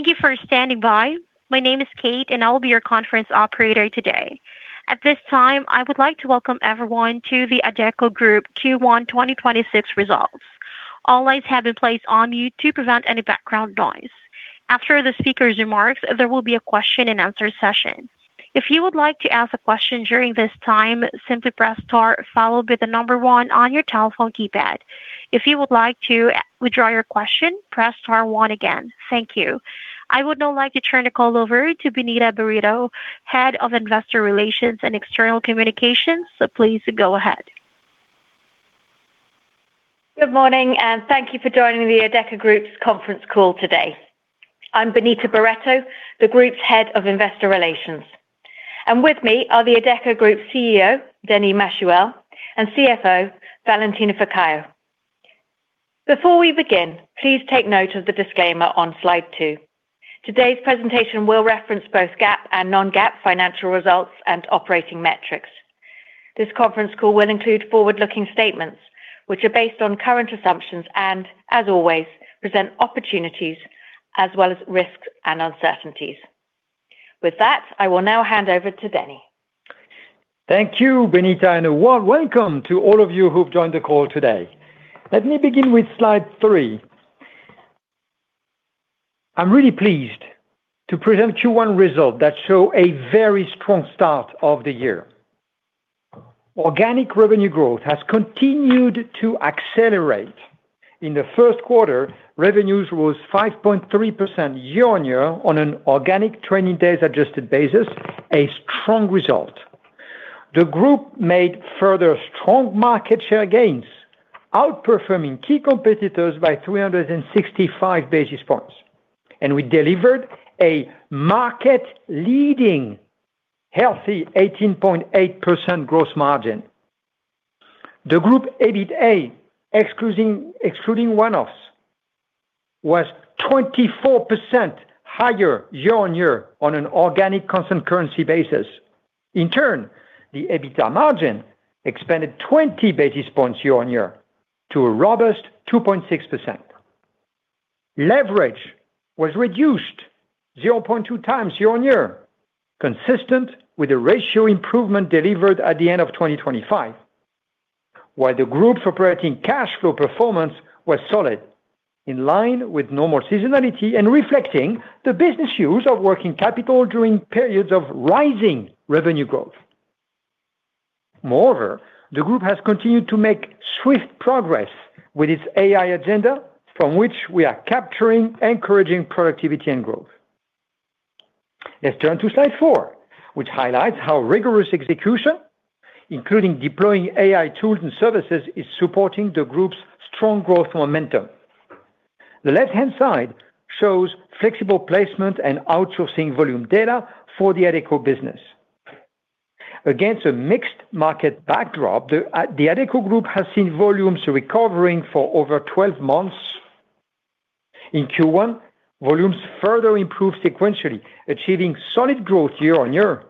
Thank you for standing by. My name is Kate and I will be your conference operator today. At this time, I would like to welcome everyone to the Adecco Group Q1 2026 results. All lines have been placed on mute to prevent any background noise. After the speaker's remarks, there will be a question and answer session. If you would like to ask a question during this time, simply press star followed by the number one on your telephone keypad. If you would like to withdraw your question, press star one again. Thank you. I would now like to turn the call over to Benita Barretto, Head of Investor Relations and External Communications. Please go ahead. Good morning. Thank you for joining the Adecco Group's conference call today. I'm Benita Barretto, the Group's Head of Investor Relations, and with me are the Adecco Group CEO, Denis Machuel, and CFO, Valentina Ficaio. Before we begin, please take note of the disclaimer on slide 2. Today's presentation will reference both GAAP and non-GAAP financial results and operating metrics. This conference call will include forward-looking statements which are based on current assumptions and, as always, present opportunities as well as risks and uncertainties. With that, I will now hand over to Denis. Thank you, Benita, and a warm welcome to all of you who've joined the call today. Let me begin with slide 3. I'm really pleased to present Q1 result that show a very strong start of the year. Organic revenue growth has continued to accelerate. In the first quarter, revenues was 5.3% year-on-year on an organic training days adjusted basis, a strong result. The group made further strong market share gains, outperforming key competitors by 365 basis points. We delivered a market-leading healthy 18.8% gross margin. The group, EBITDA, excluding one-offs, was 24% higher year-on-year on an organic constant currency basis. In turn, the EBITDA margin expanded 20 basis points year-on-year to a robust 2.6%. Leverage was reduced 0.2 times year-on-year, consistent with the ratio improvement delivered at the end of 2025. While the group's operating cash flow performance was solid, in line with normal seasonality and reflecting the business use of working capital during periods of rising revenue growth. Moreover, the group has continued to make swift progress with its AI agenda, from which we are capturing encouraging productivity and growth. Let's turn to slide four, which highlights how rigorous execution, including deploying AI tools and services, is supporting the group's strong growth momentum. The left-hand side shows flexible placement and outsourcing volume data for the Adecco business. Against a mixed market backdrop, the Adecco Group has seen volumes recovering for over 12 months. In Q1, volumes further improved sequentially, achieving solid growth year-on-year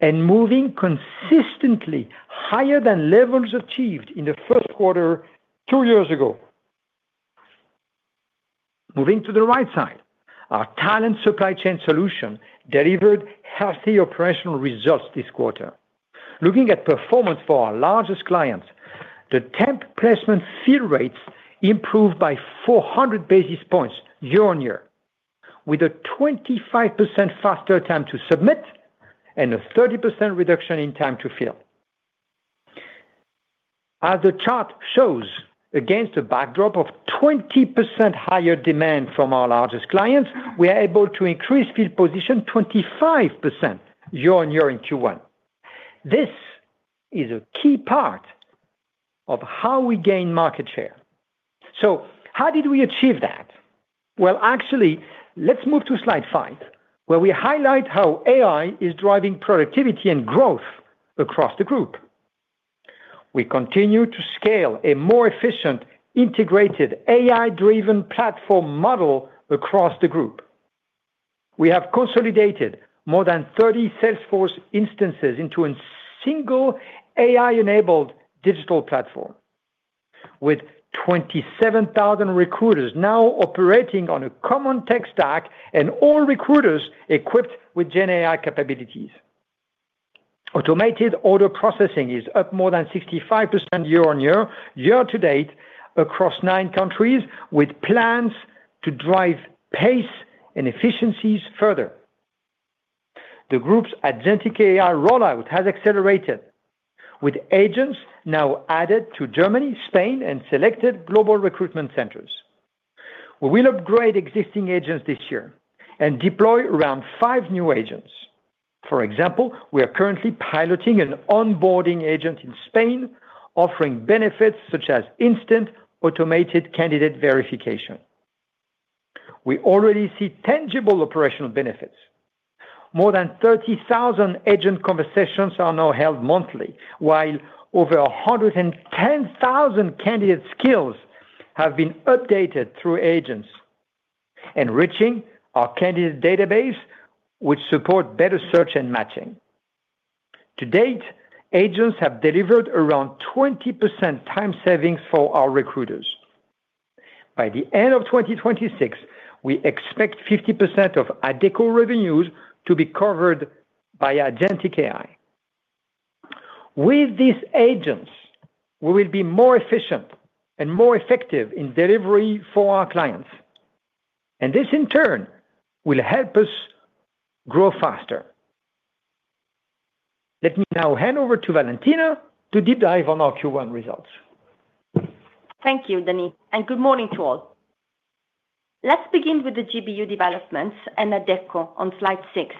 and moving consistently higher than levels achieved in the first quarter two years ago. Moving to the right side. Our Talent Supply Chain solution delivered healthy operational results this quarter. Looking at performance for our largest clients, the temp placement fill rates improved by 400 basis points year-on-year with a 25% faster time to submit and a 30% reduction in time to fill. As the chart shows, against a backdrop of 20% higher demand from our largest clients, we are able to increase field position 25% year-on-year in Q1. How did we achieve that? Well, actually, let's move to slide 5, where we highlight how AI is driving productivity and growth across the group. We continue to scale a more efficient, integrated AI-driven platform model across the group. We have consolidated more than 30 Salesforce instances into a single AI-enabled digital platform with 27,000 recruiters now operating on a common tech stack and all recruiters equipped with GenAI capabilities. Automated order processing is up more than 65% year-on-year, year-to-date across nine countries, with plans to drive pace and efficiencies further. The group's Agentic AI rollout has accelerated, with agents now added to Germany, Spain, and selected global recruitment centers. We will upgrade existing agents this year and deploy around five new agents. For example, we are currently piloting an onboarding agent in Spain, offering benefits such as instant automated candidate verification. We already see tangible operational benefits. More than 30,000 agent conversations are now held monthly, while over 110,000 candidate skills have been updated through agents, enriching our candidate database, which support better search and matching. To date, agents have delivered around 20% time savings for our recruiters. By the end of 2026, we expect 50% of Adecco revenues to be covered by Agentic AI. With these agents, we will be more efficient and more effective in delivery for our clients, and this in turn will help us grow faster. Let me now hand over to Valentina to deep dive on our Q1 results. Thank you, Denis. Good morning to all. Let's begin with the GBU developments and Adecco on slide 6,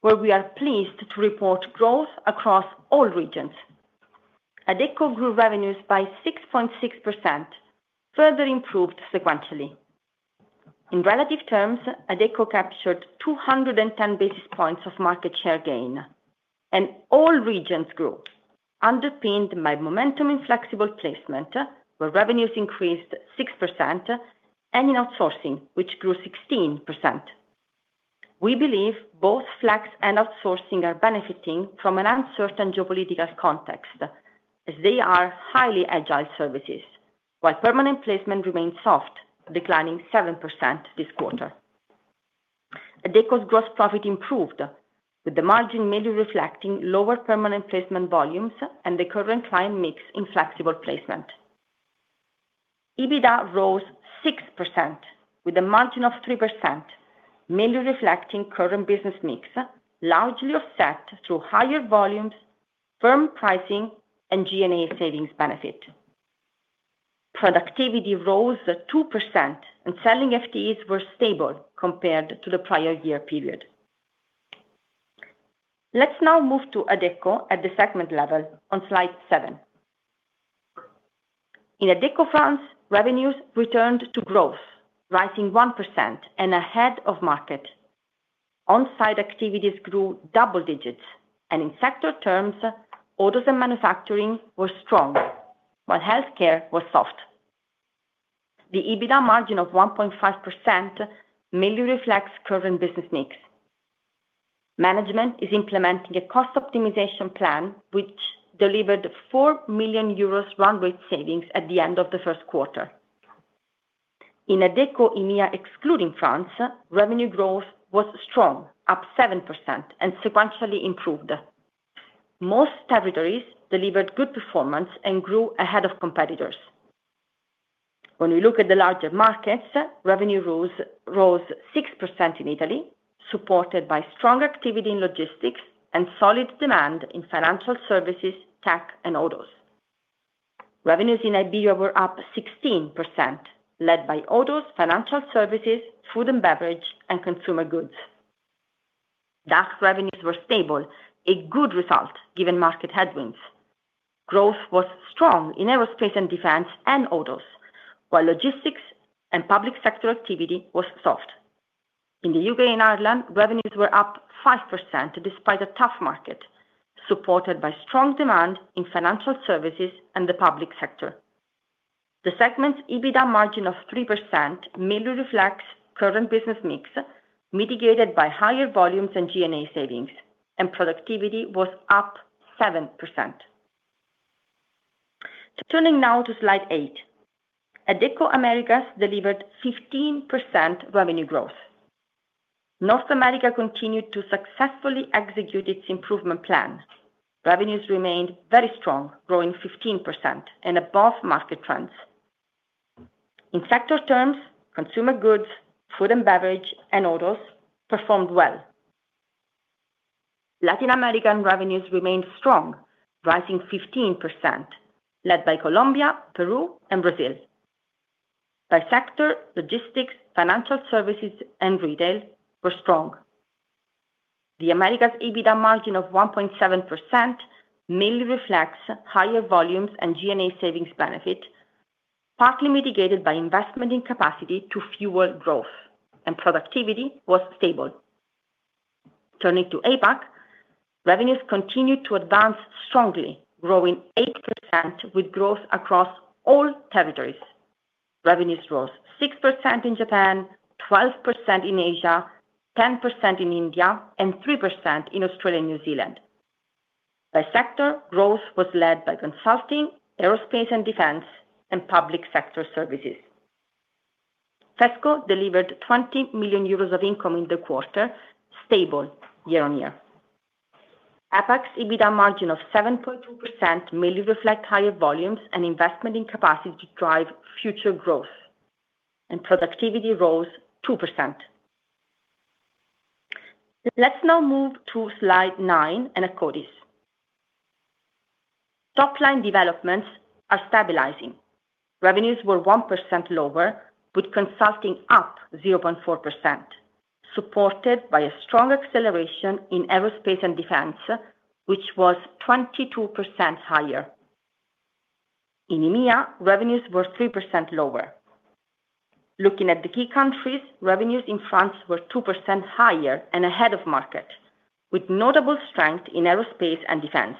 where we are pleased to report growth across all regions. Adecco grew revenues by 6.6%, further improved sequentially. In relative terms, Adecco captured 210 basis points of market share gain and all regions grew, underpinned by momentum in flexible placement, where revenues increased 6% and in outsourcing, which grew 16%. We believe both flex and outsourcing are benefiting from an uncertain geopolitical context as they are highly agile services. While permanent placement remains soft, declining 7% this quarter. Adecco's gross profit improved, with the margin mainly reflecting lower permanent placement volumes and the current client mix in flexible placement. EBITDA rose 6% with a margin of 3%, mainly reflecting current business mix, largely offset through higher volumes, firm pricing and G&A savings benefit. Productivity rose 2% and selling FTEs were stable compared to the prior year period. Let's now move to Adecco at the segment level on slide 7. In Adecco France, revenues returned to growth, rising 1% and ahead of market. Onsite activities grew double digits, and in sector terms, autos and manufacturing were strong while healthcare was soft. The EBITDA margin of 1.5% mainly reflects current business mix. Management is implementing a cost optimization plan which delivered 4 million euros run rate savings at the end of Q1. In Adecco EMEA, excluding France, revenue growth was strong, up 7% and sequentially improved. Most territories delivered good performance and grew ahead of competitors. When we look at the larger markets, revenue rose 6% in Italy, supported by strong activity in logistics and solid demand in financial services, tech and autos. Revenues in Iberia were up 16%, led by autos, financial services, food and beverage and consumer goods. DACH revenues were stable, a good result given market headwinds. Growth was strong in aerospace and defense and autos, while logistics and public sector activity was soft. In the U.K. and Ireland, revenues were up 5%, despite a tough market supported by strong demand in financial services and the public sector. The segment's EBITDA margin of 3% mainly reflects current business mix, mitigated by higher volumes and G&A savings, and productivity was up 7%. Turning now to slide 8. Adecco Americas delivered 15% revenue growth. North America continued to successfully execute its improvement plan. Revenues remained very strong, growing 15% and above market trends. In sector terms, consumer goods, food and beverage and autos performed well. Latin American revenues remained strong, rising 15%, led by Colombia, Peru and Brazil. By sector logistics, financial services and retail were strong. The Americas EBITDA margin of 1.7% mainly reflects higher volumes and G&A savings benefit, partly mitigated by investment in capacity to fuel growth and productivity was stable. Turning to APAC, revenues continued to advance strongly, growing 8% with growth across all territories. Revenues rose 6% in Japan, 12% in Asia, 10% in India and 3% in Australia and New Zealand. By sector, growth was led by consulting, aerospace and defense and public sector services. FESCO delivered 20 million euros of income in the quarter, stable year-on-year. APAC's EBITDA margin of 7.2% mainly reflect higher volumes and investment in capacity to drive future growth, and productivity rose 2%. Let's now move to slide 9 and Akkodis. Top line developments are stabilizing. Revenues were 1% lower, with consulting up 0.4%, supported by a strong acceleration in aerospace and defense, which was 22% higher. In EMEA, revenues were 3% lower. Looking at the key countries, revenues in France were 2% higher and ahead of market, with notable strength in aerospace and defense.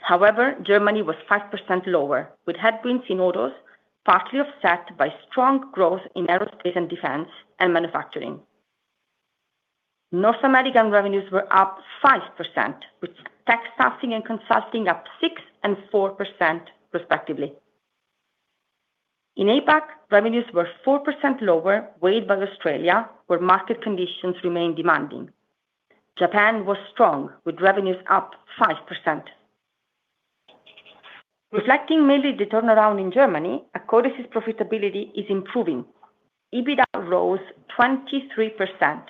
However, Germany was 5% lower, with headwinds in autos partly offset by strong growth in aerospace and defense and manufacturing. North American revenues were up 5%, with tech staffing and consulting up 6% and 4% respectively. In APAC, revenues were 4% lower, weighed by Australia, where market conditions remain demanding. Japan was strong, with revenues up 5%. Reflecting mainly the turnaround in Germany, Akkodis' profitability is improving. EBITDA rose 23%,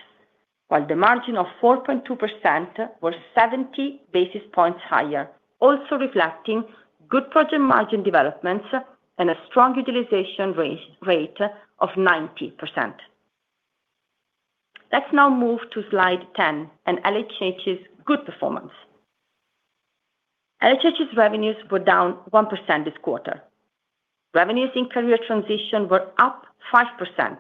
while the margin of 4.2% was 70 basis points higher, also reflecting good project margin developments and a strong utilization rate of 90%. Let's now move to slide 10 and LHH's good performance. LHH's revenues were down 1% this quarter. Revenues in career transition were up 5%.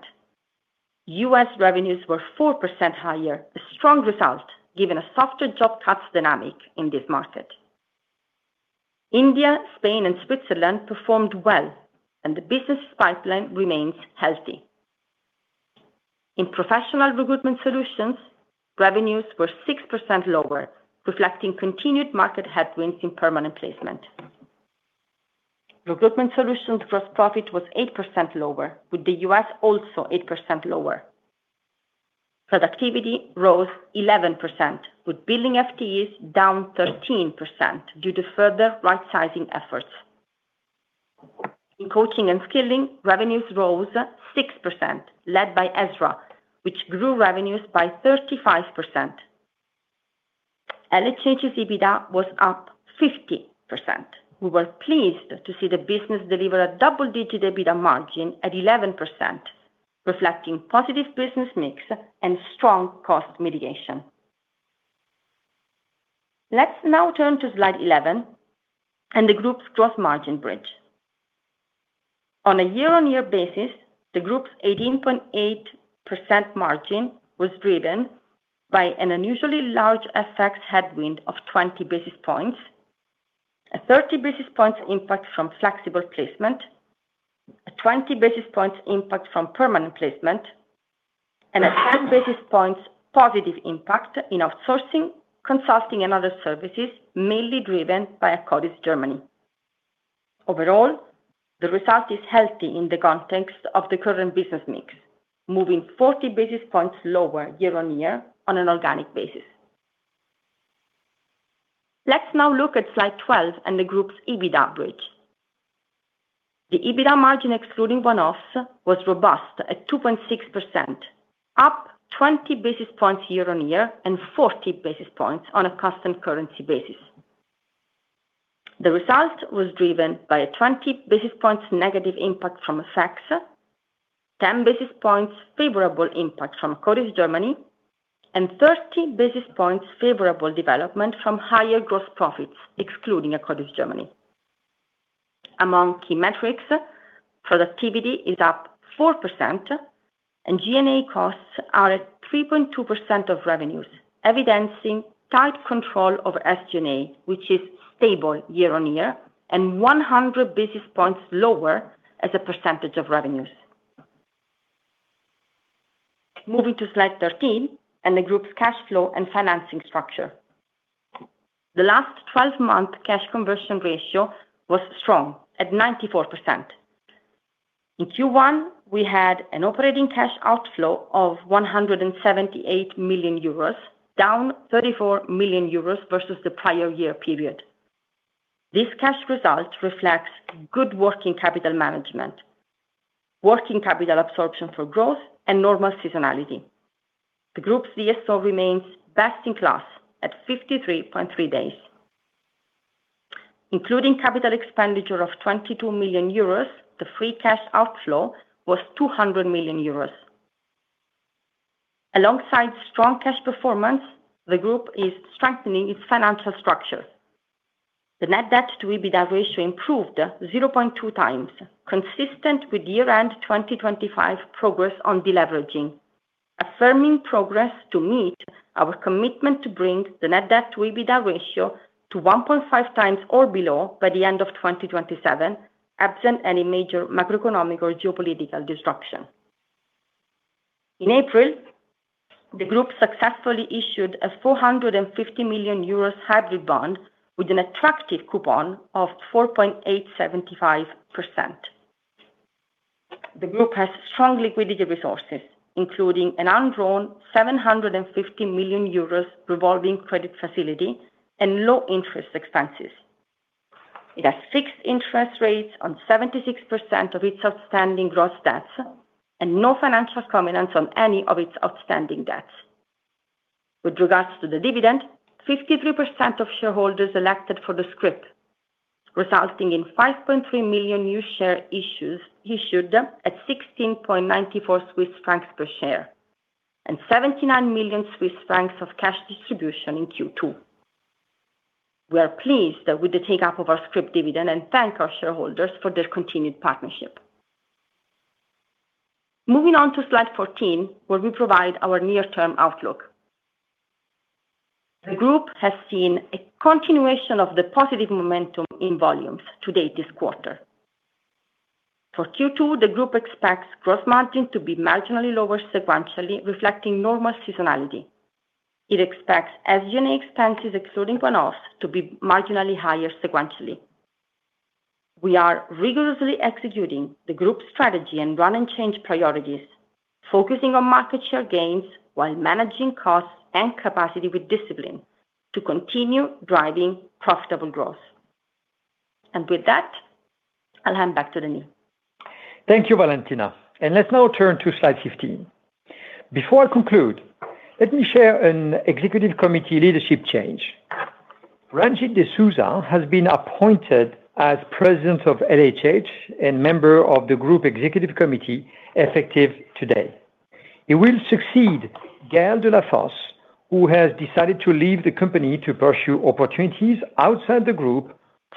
U.S. revenues were 4% higher, a strong result given a softer job cuts dynamic in this market. India, Spain, and Switzerland performed well, and the business pipeline remains healthy. In professional recruitment solutions, revenues were 6% lower, reflecting continued market headwinds in permanent placement. Recruitment solutions gross profit was 8% lower, with the U.S. also 8% lower. Productivity rose 11%, with billing FTEs down 13% due to further rightsizing efforts. In coaching and skilling, revenues rose 6%, led by Ezra, which grew revenues by 35%. LHH's EBITDA was up 50%. We were pleased to see the business deliver a double-digit EBITDA margin at 11%, reflecting positive business mix and strong cost mitigation. Let's now turn to slide 11 and the group's gross margin bridge. On a year-on-year basis, the group's 18.8% margin was driven by an unusually large FX headwind of 20 basis points, a 30 basis points impact from flexible placement, a 20 basis points impact from permanent placement, and a 10 basis points positive impact in outsourcing, consulting, and other services, mainly driven by Akkodis Germany. Overall, the result is healthy in the context of the current business mix, moving 40 basis points lower year-on-year on an organic basis. Let's now look at slide 12 and the group's EBITDA bridge. The EBITDA margin excluding one-offs was robust at 2.6%, up 20 basis points year-on-year and 40 basis points on a constant currency basis. The result was driven by a 20 basis points negative impact from FX, 10 basis points favorable impact from Akkodis Germany, and 30 basis points favorable development from higher gross profits excluding Akkodis Germany. Among key metrics, productivity is up 4% and G&A costs are at 3.2% of revenues, evidencing tight control over SG&A, which is stable year-on-year and 100 basis points lower as a percentage of revenues. Moving to slide 13 and the group's cash flow and financing structure. The last 12-month cash conversion ratio was strong at 94%. In Q1, we had an operating cash outflow of 178 million euros, down 34 million euros versus the prior year period. This cash result reflects good working capital management, working capital absorption for growth, and normal seasonality. The group's DSO remains best in class at 53.3 days. Including capital expenditure of 22 million euros, the free cash outflow was 200 million euros. Alongside strong cash performance, the group is strengthening its financial structures. The net debt to EBITDA ratio improved 0.2 times, consistent with year-end 2025 progress on deleveraging, affirming progress to meet our commitment to bring the net debt to EBITDA ratio to 1.5 times or below by the end of 2027, absent any major macroeconomic or geopolitical disruption. In April, the group successfully issued a 450 million euros hybrid bond with an attractive coupon of 4.875%. The group has strong liquidity resources, including an undrawn 750 million euros revolving credit facility and low interest expenses. It has fixed interest rates on 76% of its outstanding gross debts and no financial covenants on any of its outstanding debts. With regards to the dividend, 53% of shareholders elected for the scrip, resulting in 5.3 million new share issues issued at 16.94 Swiss francs per share and 79 million Swiss francs of cash distribution in Q2. We are pleased with the take-up of our scrip dividend and thank our shareholders for their continued partnership. Moving on to slide 14, where we provide our near-term outlook. The group has seen a continuation of the positive momentum in volumes to date this quarter. For Q2, the group expects gross margin to be marginally lower sequentially, reflecting normal seasonality. It expects SG&A expenses excluding one-offs to be marginally higher sequentially. We are rigorously executing the group's strategy and run and change priorities, focusing on market share gains while managing costs and capacity with discipline to continue driving profitable growth. With that, I'll hand back to Denis. Thank you, Valentina. Let's now turn to slide 15. Before I conclude, let me share an executive committee leadership change. Ranjit de Sousa has been appointed as President of LHH and member of the Group Executive Committee effective today. He will succeed Gaëlle de la Fosse, who has decided to leave the company to pursue opportunities outside the group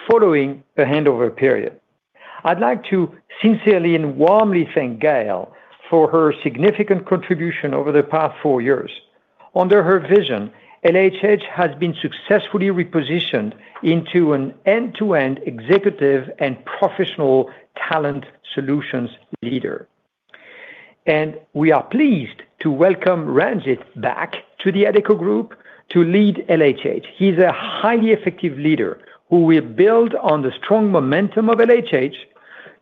following the handover period. I'd like to sincerely and warmly thank Gaëlle for her significant contribution over the past four years. Under her vision, LHH has been successfully repositioned into an end-to-end executive and professional talent solutions leader. We are pleased to welcome Ranjit back to the Adecco Group to lead LHH. He's a highly effective leader who will build on the strong momentum of LHH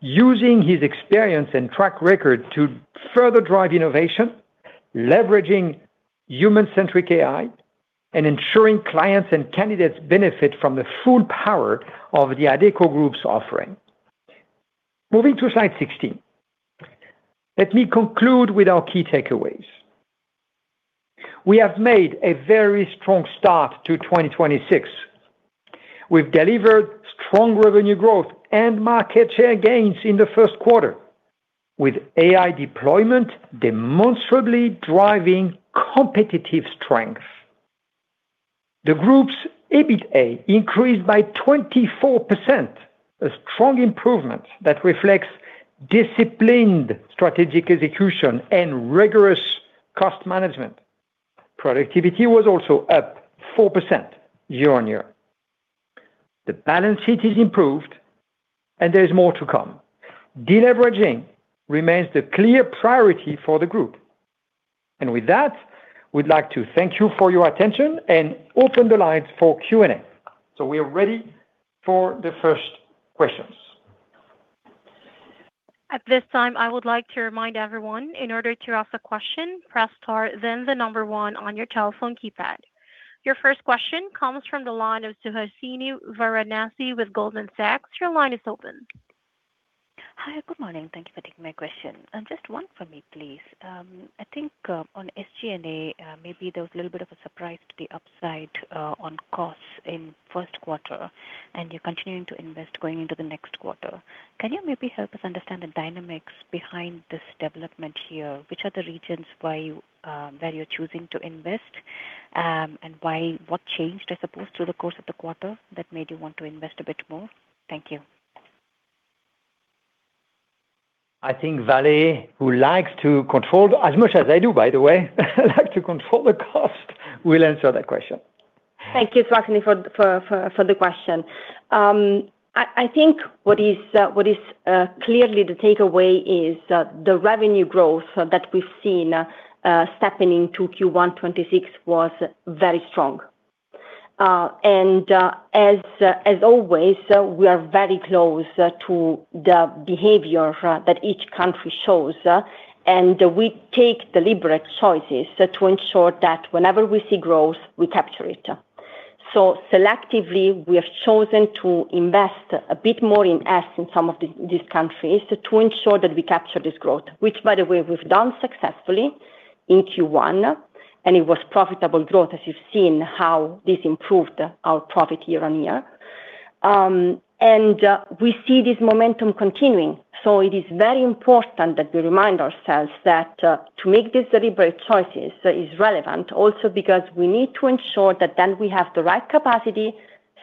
using his experience and track record to further drive innovation, leveraging human-centric AI, and ensuring clients and candidates benefit from the full power of the Adecco Group's offering. Moving to slide 16. Let me conclude with our key takeaways. We have made a very strong start to 2026. We've delivered strong revenue growth and market share gains in the first quarter, with AI deployment demonstrably driving competitive strength. The group's EBITA increased by 24%, a strong improvement that reflects disciplined strategic execution and rigorous cost management. Productivity was also up 4% year-on-year. The balance sheet is improved, and there is more to come. Deleveraging remains the clear priority for the group. With that, we'd like to thank you for your attention and open the lines for Q&A. We are ready for the first questions. At this time, I would like to remind everyone, in order to ask a question, press star then the number 1 on your telephone keypad. Your first question comes from the line of Suhasini Varanasi with Goldman Sachs. Your line is open. Hi, good morning. Thank you for taking my question. Just one for me, please. I think on SG&A, maybe there was a little bit of a surprise to the upside, on costs in 1st quarter, and you're continuing to invest going into the next quarter. Can you maybe help us understand the dynamics behind this development here? Which are the regions why you, where you're choosing to invest? What changed, I suppose, through the course of the quarter that made you want to invest a bit more? Thank you. I think Vale, who likes to control as much as I do, by the way, like to control the cost, will answer that question. Thank you, Suhasini, for the question. I think what is clearly the takeaway is the revenue growth that we've seen stepping into Q1 2026 was very strong. As always, we are very close to the behavior that each country shows, and we take deliberate choices to ensure that whenever we see growth, we capture it. Selectively, we have chosen to invest a bit more in some of these countries to ensure that we capture this growth. Which by the way, we've done successfully in Q1, and it was profitable growth, as you've seen how this improved our profit year-on-year. We see this momentum continuing. It is very important that we remind ourselves that, to make these deliberate choices is relevant also because we need to ensure that then we have the right capacity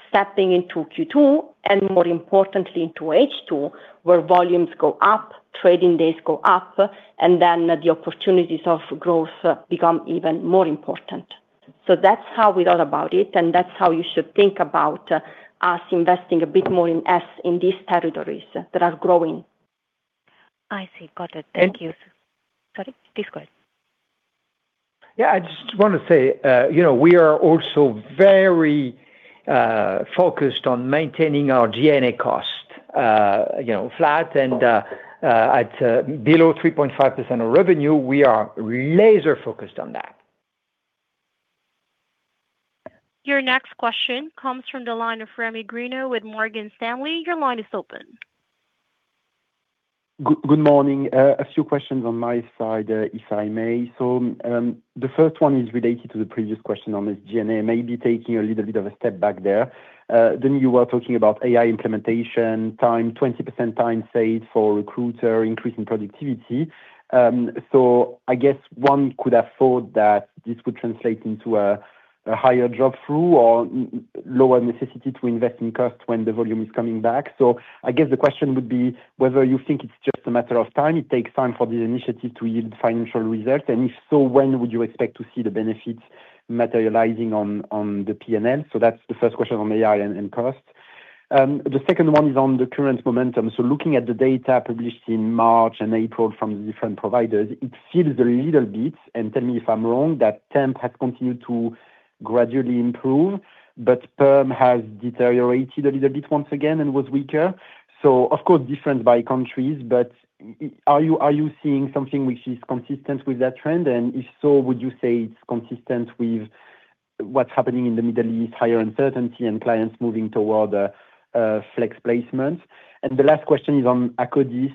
stepping into Q2, and more importantly, into H2, where volumes go up, trading days go up, and then the opportunities of growth become even more important. That's how we thought about it, and that's how you should think about us investing a bit more in S in these territories that are growing. I see. Got it. Thank you. Sorry. Please go ahead. Yeah. I just want to say, you know, we are also very focused on maintaining our G&A cost, you know, flat and at below 3.5% of revenue. We are laser focused on that. Your next question comes from the line of Rémi Grenu with Morgan Stanley. Your line is open. Good morning. A few questions on my side, if I may. The first one is related to the previous question on this G&A, maybe taking a little bit of a step back there. Then you were talking about AI implementation time, 20% time saved for recruiter, increase in productivity. I guess one could have thought that this would translate into a higher drop-through or lower necessity to invest in cost when the volume is coming back. I guess the question would be whether you think it's just a matter of time. It takes time for this initiative to yield financial results, and if so, when would you expect to see the benefits materializing on the PNL. That's the first question on AI and cost. The second one is on the current momentum. Looking at the data published in March and April from the different providers, it feels a little bit, and tell me if I'm wrong, that temp has continued to gradually improve, but perm has deteriorated a little bit once again and was weaker. Of course, different by countries, but are you seeing something which is consistent with that trend? If so, would you say it's consistent with what's happening in the Middle East, higher uncertainty, and clients moving toward a flex placement? The last question is on Akkodis.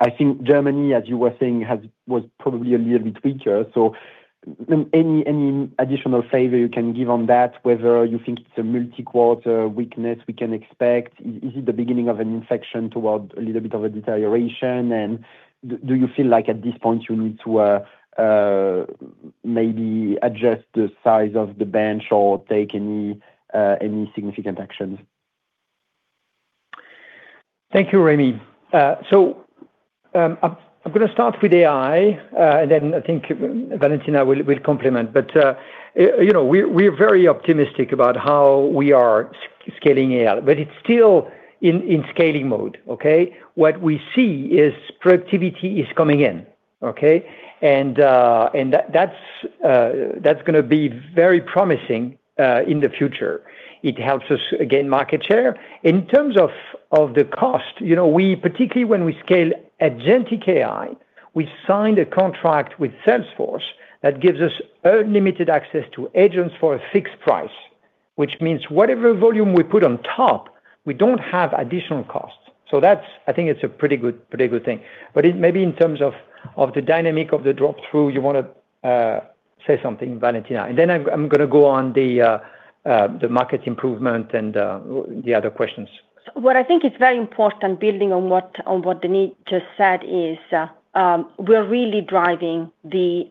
I think Germany, as you were saying, was probably a little bit weaker. Any additional favor you can give on that, whether you think it's a multi-quarter weakness we can expect? Is it the beginning of an inflection toward a little bit of a deterioration? Do you feel like at this point you need to, maybe adjust the size of the bench or take any significant actions? Thank you, Remi. I'm gonna start with AI, and then I think Valentina will compliment. You know, we're very optimistic about how we are scaling AI, but it's still in scaling mode, okay? What we see is productivity is coming in, okay? That's gonna be very promising in the future. It helps us gain market share. In terms of the cost, you know, we, particularly when we scale Agentic AI, we signed a contract with Salesforce that gives us unlimited access to agents for a fixed price, which means whatever volume we put on top, we don't have additional costs. That's I think it's a pretty good thing. It maybe in terms of the dynamic of the drop-through, you wanna say something, Valentina. I'm gonna go on the market improvement and the other questions. What I think is very important, building on what, on what Denis just said, is we're really driving the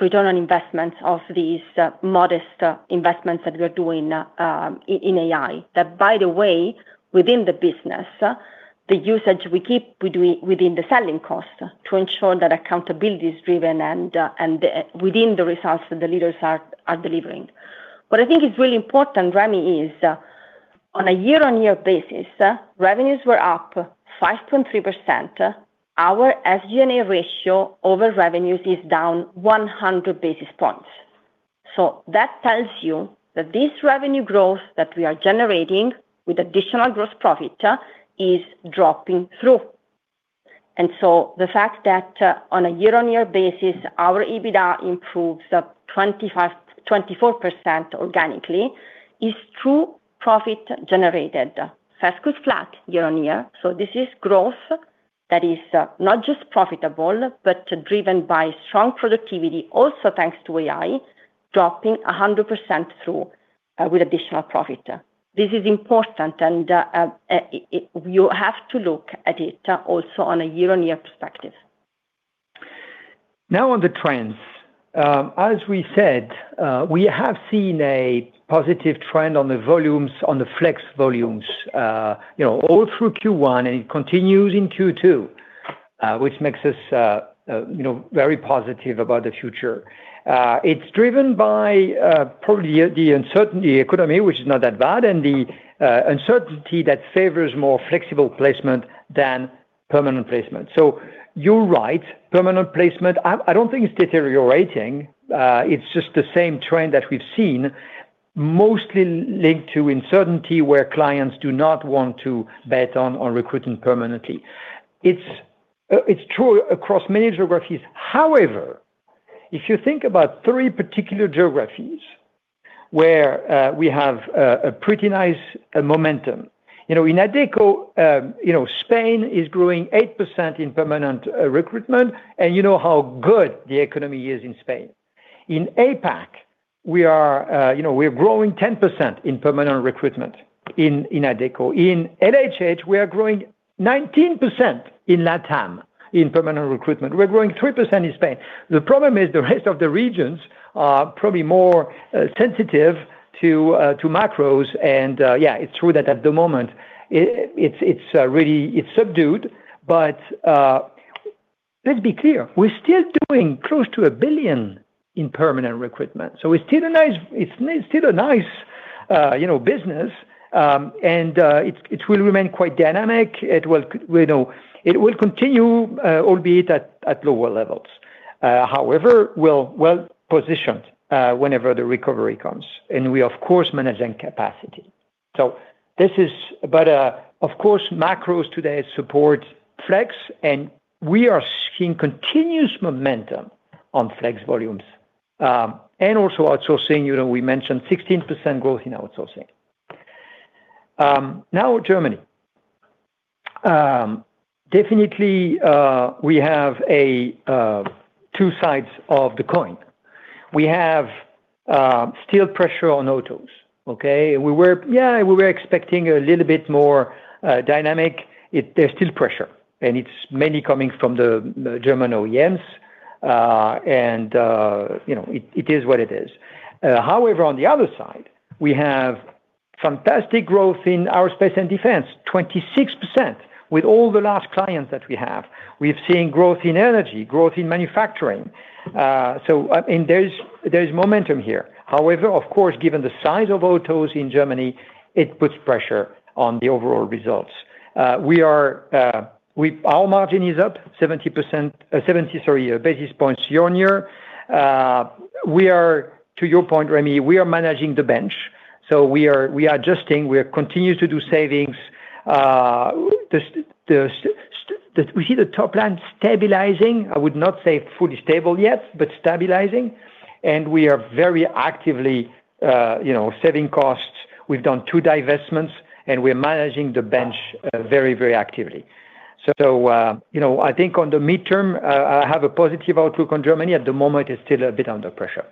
return on investments of these modest investments that we're doing in AI. That, by the way, within the business, the usage we keep within the selling cost to ensure that accountability is driven and within the results that the leaders are delivering. What I think is really important, Remi, is on a year-on-year basis, revenues were up 5.3%. Our SG&A ratio over revenues is down 100 basis points. That tells you that this revenue growth that we are generating with additional gross profit is dropping through. The fact that on a year-on-year basis, our EBITDA improves 25 24% organically is through profit generated. Cash was flat year-over-year. This is growth that is not just profitable, but driven by strong productivity, also thanks to AI, dropping 100% through with additional profit. This is important, you have to look at it also on a year-over-year perspective. Now on the trends. As we said, we have seen a positive trend on the volumes, on the flex volumes, you know, all through Q1, and it continues in Q2, which makes us, you know, very positive about the future. It's driven by probably the uncertainty economy, which is not that bad, and the uncertainty that favors more flexible placement than permanent placement. You're right, permanent placement. I don't think it's deteriorating. It's just the same trend that we've seen mostly linked to uncertainty where clients do not want to bet on or recruiting permanently. It's true across many geographies. However, if you think about 3 particular geographies where we have a pretty nice momentum. You know, in Adecco, you know, Spain is growing 8% in permanent recruitment, and you know how good the economy is in Spain. In APAC, we are, you know, we are growing 10% in permanent recruitment in Adecco. In LHH, we are growing 19% in Latam in permanent recruitment. We're growing 3% in Spain. The problem is the rest of the regions are probably more sensitive to macros and, yeah, it's true that at the moment it's really subdued. Let's be clear, we're still doing close to 1 billion in permanent recruitment. It's still a nice, you know, business. It will remain quite dynamic. It will continue, albeit at lower levels. However, we're well positioned whenever the recovery comes, and we of course manage in capacity. Of course, macros today support flex, and we are seeing continuous momentum on flex volumes, and also outsourcing. You know, we mentioned 16% growth in outsourcing. Now Germany. Definitely, we have a two sides of the coin. We have still pressure on autos, okay? We were expecting a little bit more dynamic. There's still pressure, and it's mainly coming from the German OEMs, and, you know, it is what it is. However, on the other side, we have fantastic growth in our space and defense, 26% with all the large clients that we have. We've seen growth in energy, growth in manufacturing. I mean, there is momentum here. However, of course, given the size of autos in Germany, it puts pressure on the overall results. Our margin is up 70% 70, sorry, basis points year-on-year. We are, to your point, Remi, managing the bench. We are adjusting. We are continuing to do savings. We see the top line stabilizing. I would not say fully stable yet, but stabilizing. We are very actively, you know, saving costs. We've done two divestments, and we are managing the bench, very actively. You know, I think on the midterm, I have a positive outlook on Germany. At the moment, it's still a bit under pressure.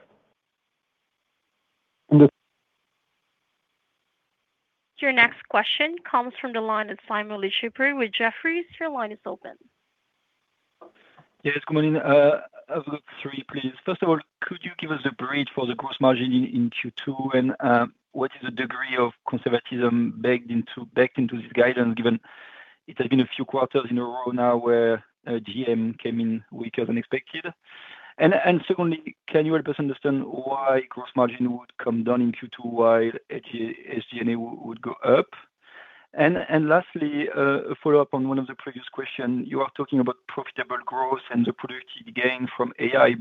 Your next question comes from the line of Simon Lechipre with Jefferies. Your line is open. Yes, good morning. I've got three, please. First of all, could you give us a brief for the gross margin in Q2, and what is the degree of conservatism baked into this guidance, given it has been a few quarters in a row now where GM came in weaker than expected? Secondly, can you help us understand why gross margin would come down in Q2 while SG&A would go up? Lastly, a follow-up on one of the previous question. You are talking about profitable growth and the productivity gain from AI.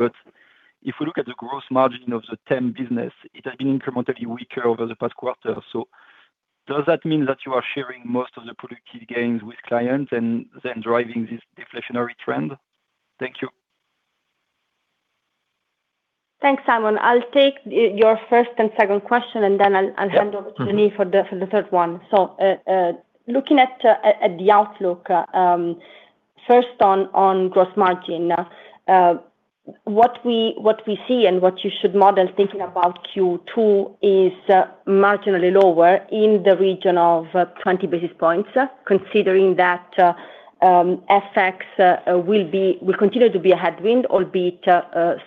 If we look at the gross margin of the TEM business, it has been incrementally weaker over the past quarter. Does that mean that you are sharing most of the productivity gains with clients and driving this deflationary trend? Thank you. Thanks, Simon. I'll take your first and second question, and then I'll hand over. Yeah. Mm-hmm To Denis Machuel for the 3rd one. Looking at the outlook, first on gross margin. What we see and what you should model thinking about Q2 is marginally lower in the region of 20 basis points, considering that FX will continue to be a headwind, albeit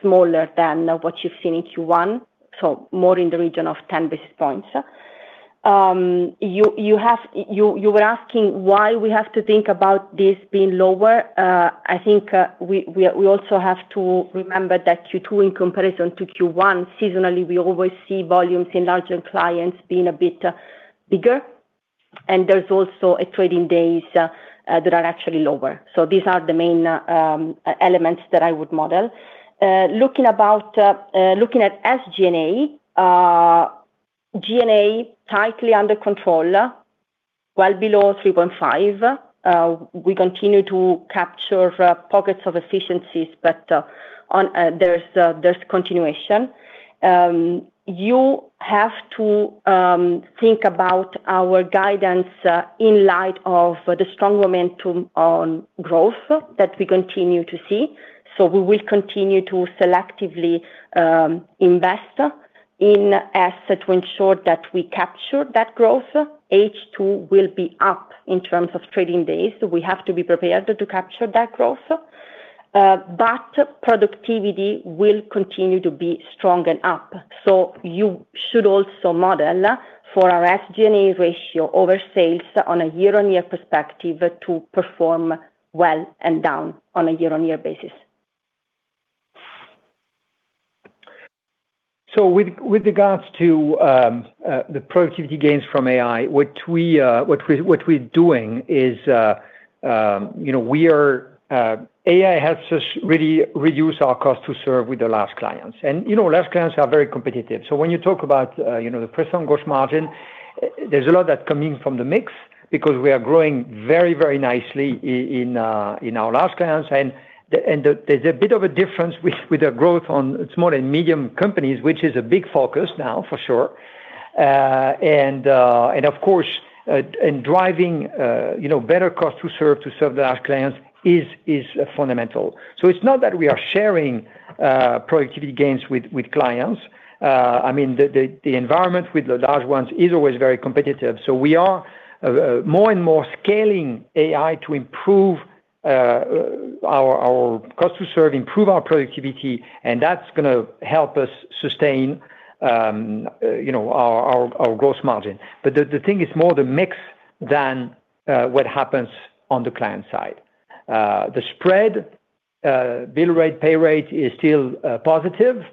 smaller than what you've seen in Q1, more in the region of 10 basis points. You were asking why we have to think about this being lower. I think we also have to remember that Q2 in comparison to Q1, seasonally, we always see volumes in larger clients being a bit bigger. There's also a trading days that are actually lower. These are the main elements that I would model. Looking about looking at SG&A, G&A tightly under control, well below 3.5. We continue to capture pockets of efficiencies, but on there's there's continuation. You have to think about our guidance in light of the strong momentum on growth that we continue to see. We will continue to selectively invest in assets to ensure that we capture that growth. H2 will be up in terms of trading days, so we have to be prepared to capture that growth. Productivity will continue to be strong and up. You should also model for our SG&A ratio over sales on a year-on-year perspective to perform well and down on a year-on-year basis. With regards to the productivity gains from AI, what we're doing is, you know, AI helps us really reduce our cost to serve with the large clients. You know, large clients are very competitive. When you talk about, you know, the % gross margin, there's a lot that's coming from the mix because we are growing very, very nicely in our large clients. There's a bit of a difference with the growth on small and medium companies, which is a big focus now, for sure. Of course, and driving, you know, better cost to serve, to serve the large clients is fundamental. It's not that we are sharing productivity gains with clients. I mean, the environment with the large ones is always very competitive. We are more and more scaling AI to improve our cost to serve, improve our productivity, and that's gonna help us sustain, you know, our gross margin. The thing is more the mix than what happens on the client side. The spread, bill rate, pay rate is still positive,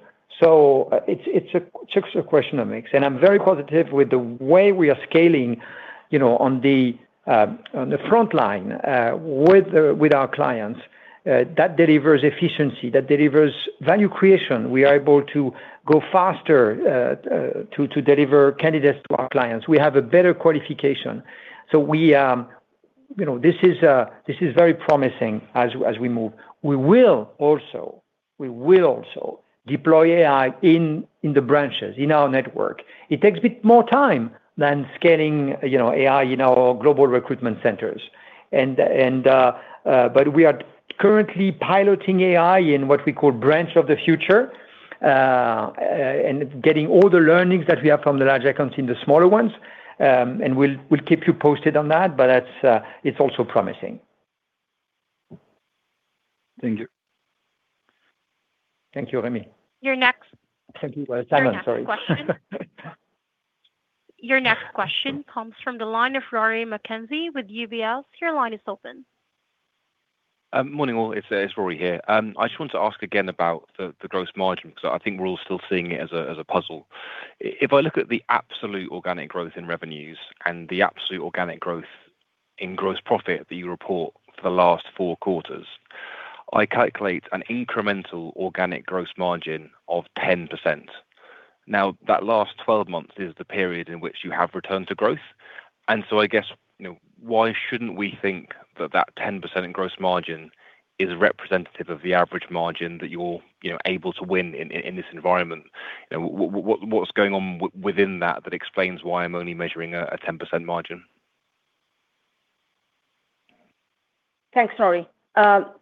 so it's a question of mix. I'm very positive with the way we are scaling, you know, on the front line with our clients. That delivers efficiency. That delivers value creation. We are able to go faster to deliver candidates to our clients. We have a better qualification. We, you know, this is very promising as we move. We will also deploy AI in the branches, in our network. It takes a bit more time than scaling, you know, AI in our global recruitment centers. We are currently piloting AI in what we call branch of the future and getting all the learnings that we have from the large accounts in the smaller ones. We'll keep you posted on that, but that's also promising. Thank you. Thank you, Remi. Your next Thank you, Simon. Sorry. Your next question comes from the line of Rory McKenzie with UBS. Your line is open. Morning all. It's Rory here. I just want to ask again about the gross margin, 'cause I think we're all still seeing it as a puzzle. If I look at the absolute organic growth in revenues and the absolute organic growth in gross profit that you report for the last four quarters, I calculate an incremental organic gross margin of 10%. That last 12 months is the period in which you have returned to growth, and so I guess, you know, why shouldn't we think that that 10% in gross margin is representative of the average margin that you're, you know, able to win in this environment? What's going on within that explains why I'm only measuring a 10% margin? Thanks, Rory. I'll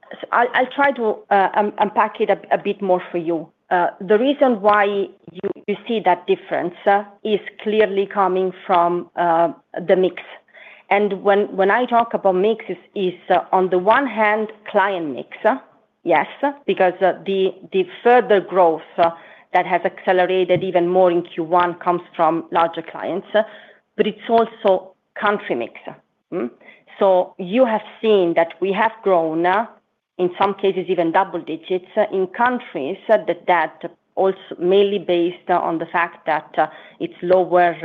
try to unpack it a bit more for you. The reason why you see that difference is clearly coming from the mix. When I talk about mix, is on the one hand client mix, yes, because the further growth that has accelerated even more in Q1 comes from larger clients, but it's also country mix. You have seen that we have grown, in some cases even double digits, in countries that mainly based on the fact that it's lower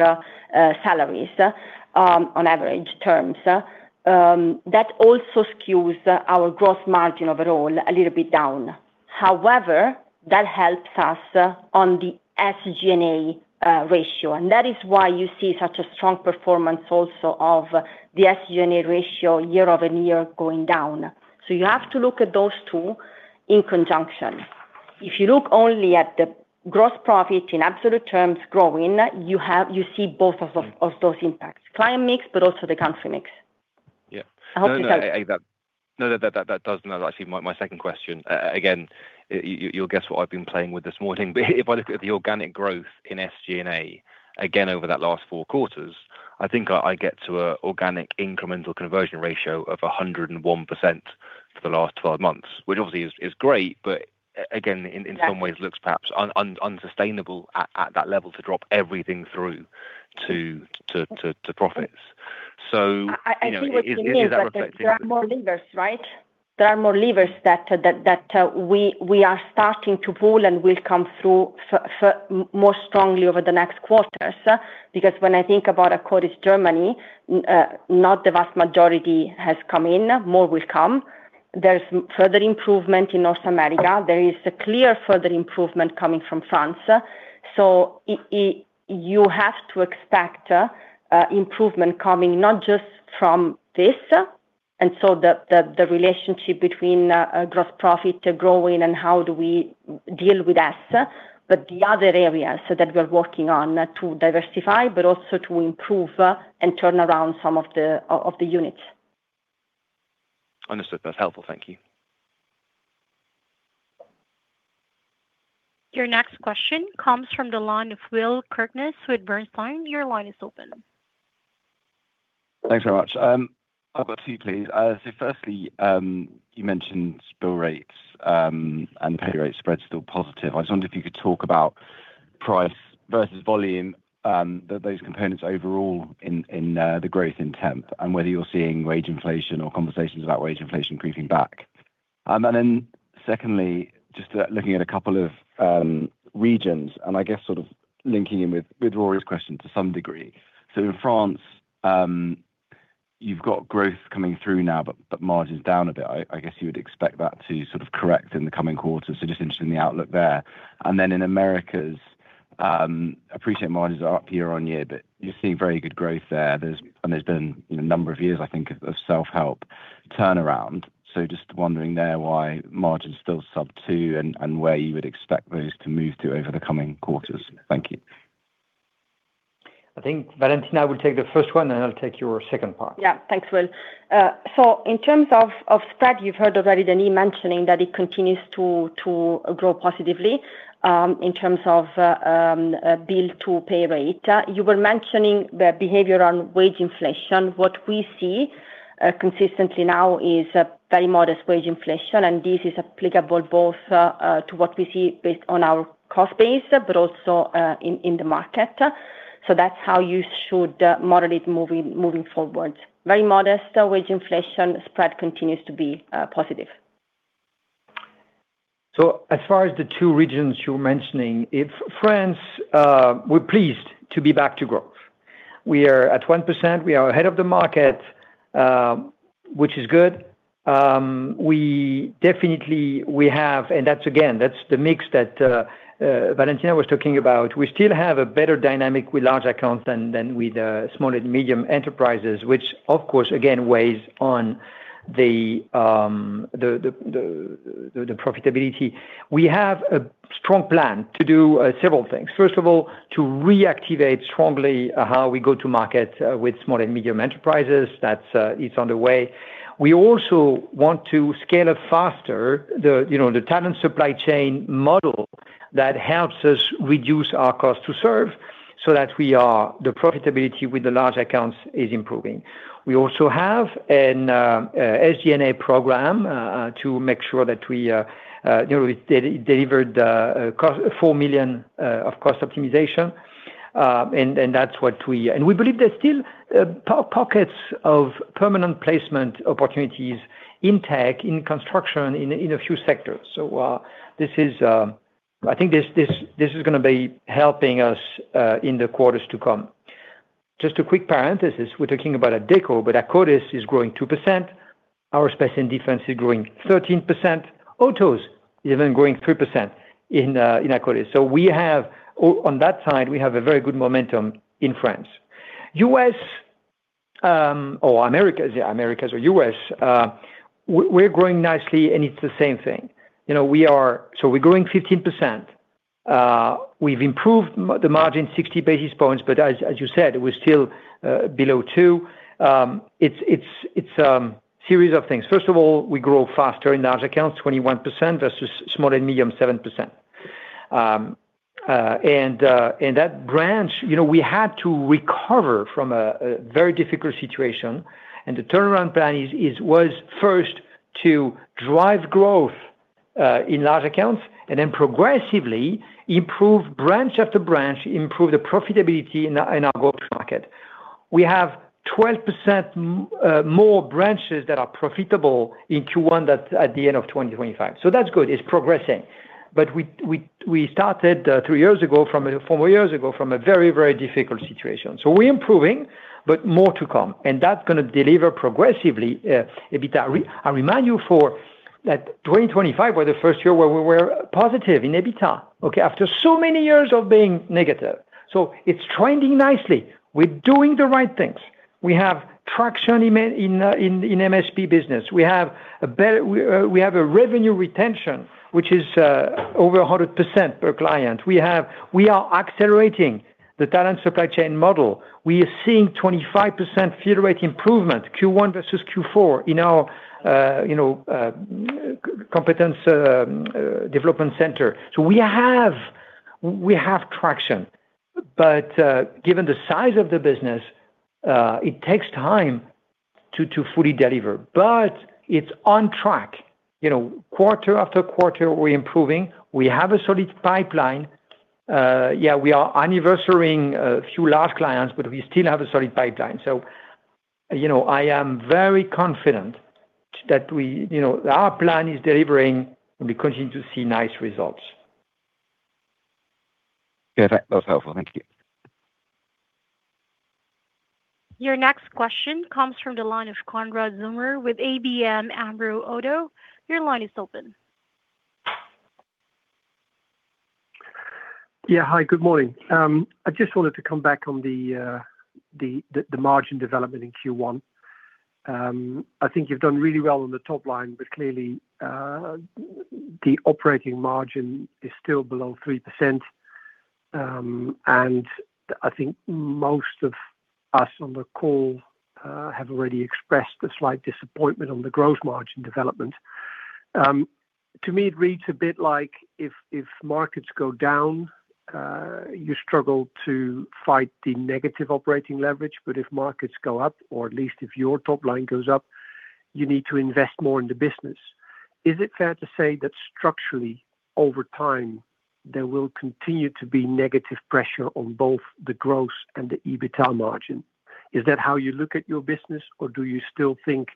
salaries on average terms. That also skews our gross margin overall a little bit down. That helps us on the SG&A ratio, and that is why you see such a strong performance also of the SG&A ratio year-over-year going down. You have to look at those two in conjunction. If you look only at the gross profit in absolute terms growing, You see both of those impacts, client mix, but also the country mix. Yeah. I hope this helps. No, that does. No, actually, my second question. Again, you'll guess what I've been playing with this morning. If I look at the organic growth in SG&A, again, over that last four quarters, I think I get to a organic incremental conversion ratio of 101% for the last 12 months, which obviously is great, but again, in some ways. Yeah looks perhaps unsustainable at that level to drop everything through to profits. I see what you mean. is that. but there are more levers, right? There are more levers that we are starting to pull and will come through more strongly over the next quarters. Because when I think about Akkodis Germany, not the vast majority has come in. More will come. There's further improvement in North America. There is a clear further improvement coming from France. So you have to expect improvement coming not just from this, and so the relationship between gross profit growing and how do we deal with that, but the other areas so that we are working on to diversify but also to improve and turn around some of the units. Understood. That's helpful. Thank you. Your next question comes from the line of Will Kirkness with Bernstein. Your line is open. Thanks very much. I've got two, please. Firstly, you mentioned bill rates, and pay rate spread's still positive. I just wonder if you could talk about price versus volume, those components overall in the growth intent, and whether you're seeing wage inflation or conversations about wage inflation creeping back. Secondly, looking at a couple of regions, and I guess sort of linking in with Rory's question to some degree. In France, you've got growth coming through now but margin's down a bit. I guess you would expect that to sort of correct in the coming quarters, just interested in the outlook there. In Americas, appreciate margins are up year-on-year, but you're seeing very good growth there. There's been, you know, a number of years, I think, of self-help turnaround. Just wondering there why margin's still sub 2 and where you would expect those to move to over the coming quarters. Thank you. I think Valentina will take the first one, and I'll take your second part. Yeah. Thanks, Will. In terms of spread, you've heard already Denis mentioning that it continues to grow positively, in terms of bill to pay rate. You were mentioning the behavior on wage inflation. What we see consistently now is a very modest wage inflation, and this is applicable both to what we see based on our cost base, but also in the market. That's how you should model it moving forward. Very modest wage inflation. Spread continues to be positive. As far as the two regions you're mentioning, if France, we're pleased to be back to growth. We are at 1%. We are ahead of the market, which is good. We definitely, we have, and that's again, that's the mix that Valentina was talking about. We still have a better dynamic with large accounts than with small and medium enterprises, which of course, again, weighs on the profitability. We have a strong plan to do several things. First of all, to reactivate strongly how we go to market with small and medium enterprises. That's it's underway. We also want to scale up faster the, you know, the Talent Supply Chain model. That helps us reduce our cost to serve so that the profitability with the large accounts is improving. We also have an SG&A program to make sure that we delivered the cost 4 million of cost optimization. We believe there's still pockets of permanent placement opportunities in tech, in construction, in a few sectors. This is, I think this is going to be helping us in the quarters to come. Just a quick parenthesis. We're talking about Adecco, Akkodis is growing 2%. Our Space & Defense is growing 13%. Autos even growing 3% in Akkodis. We have, on that side, we have a very good momentum in France. U.S. or Americas or U.S., we're growing nicely, and it's the same thing. You know, we're growing 15%. We've improved the margin 60 basis points, as you said, we're still below 2%. It's series of things. First of all, we grow faster in large accounts, 21% versus small and medium, 7%. That branch, you know, we had to recover from a very difficult situation, and the turnaround plan was first to drive growth in large accounts and then progressively improve branch after branch, improve the profitability in our, in our growth market. We have 12% more branches that are profitable in Q1 that at the end of 2025. That's good. It's progressing. We started three years ago from a four years ago from a very difficult situation. We're improving but more to come, and that's going to deliver progressively EBITDA. I remind you that 2025 was the first year where we were positive in EBITDA. After so many years of being negative. It's trending nicely. We're doing the right things. We have traction in MSP business. We have a revenue retention, which is over 100% per client. We are accelerating the Talent Supply Chain model. We are seeing 25% field rate improvement, Q1 versus Q4 in our competence development center. We have traction. Given the size of the business, it takes time to fully deliver. It's on track. You know, quarter after quarter, we're improving. We have a solid pipeline. Yeah, we are anniversarying a few large clients, but we still have a solid pipeline. You know, I am very confident that, you know, our plan is delivering, and we continue to see nice results. Yeah. That was helpful. Thank you. Your next question comes from the line of Konrad Zomer with ABN AMRO-ODDO BHF. Your line is open. Yeah. Hi, good morning. I just wanted to come back on the margin development in Q1. I think you've done really well on the top line, but clearly, the operating margin is still below 3%, and I think most of us on the call have already expressed a slight disappointment on the gross margin development. To me, it reads a bit like if markets go down, you struggle to fight the negative operating leverage, but if markets go up, or at least if your top line goes up, you need to invest more in the business. Is it fair to say that structurally, over time, there will continue to be negative pressure on both the gross and the EBITDA margin? Is that how you look at your business, or do you still think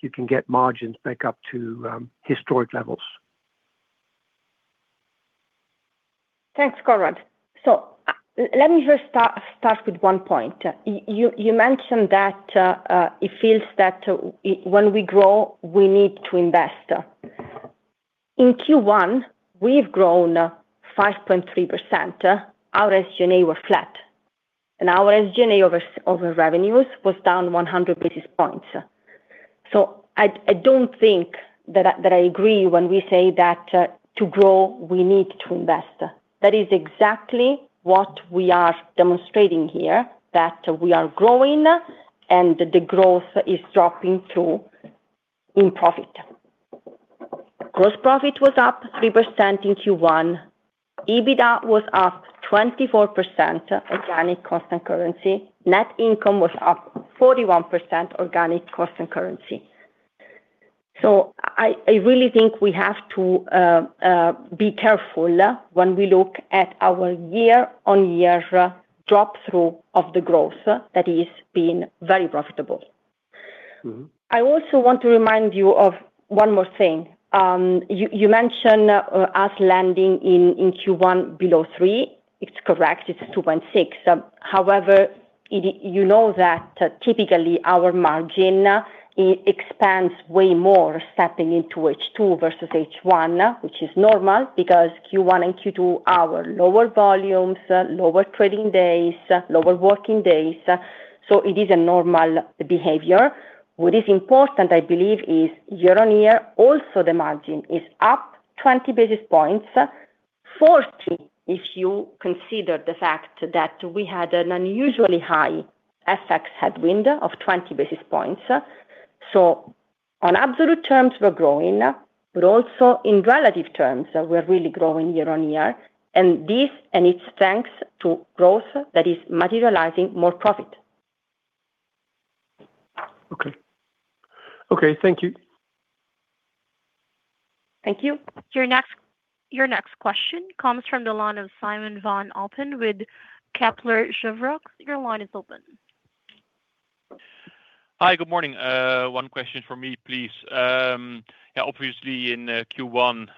you can get margins back up to historic levels? Thanks, Konrad. Let me first start with one point. You mentioned that it feels that when we grow, we need to invest. In Q1, we've grown 5.3%. Our SG&A were flat, and our SG&A over revenues was down 100 basis points. I don't think that I agree when we say that to grow, we need to invest. That is exactly what we are demonstrating here, that we are growing, and the growth is dropping through in profit. Gross profit was up 3% in Q1. EBITDA was up 24% organic constant currency. Net income was up 41% organic constant currency. I really think we have to be careful when we look at our year-on-year drop-through of the growth. That is been very profitable. I also want to remind you of one more thing. You mention us landing in Q1 below three. It's correct. It's 2.6. However, you know that typically our margin expands way more stepping into H2 versus H1, which is normal because Q1 and Q2 are lower volumes, lower trading days, lower working days. It is a normal behavior. What is important, I believe, is year-on-year also the margin is up 20 basis points. 40, if you consider the fact that we had an unusually high FX headwind of 20 basis points. On absolute terms, we're growing, but also in relative terms, we're really growing year-on-year, and it's thanks to growth that is materializing more profit. Okay. Okay, thank you. Thank you. Your next question comes from the line of Simon van Oppen with Kepler Cheuvreux. Your line is open. Hi, good morning. One question from me, please. Yeah, obviously in Q1,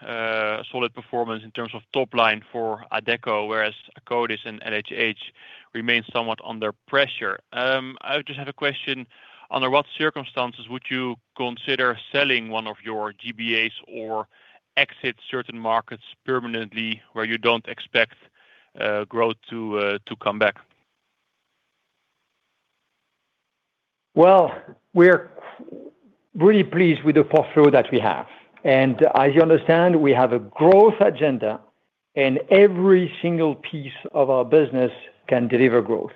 solid performance in terms of top line for Adecco, whereas Akkodis and LHH remain somewhat under pressure. I just have a question. Under what circumstances would you consider selling one of your GBUs or exit certain markets permanently where you don't expect growth to come back? Well, we're really pleased with the portfolio that we have. As you understand, we have a growth agenda, and every single piece of our business can deliver growth.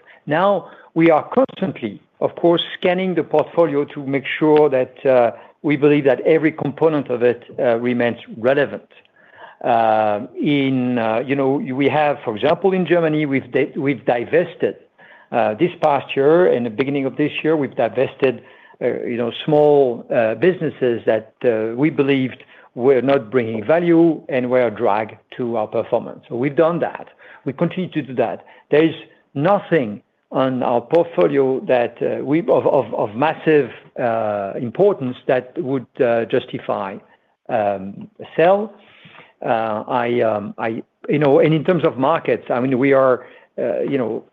We are constantly, of course, scanning the portfolio to make sure that we believe that every component of it remains relevant. You know, we have, for example, in Germany, we've divested this past year and the beginning of this year, we've divested, you know, small businesses that we believed were not bringing value and were a drag to our performance. We've done that. We continue to do that. There is nothing on our portfolio that of massive importance that would justify sell. You know, in terms of markets, I mean, we are, you know,